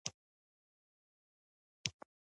دا زموږ هر څه دی؟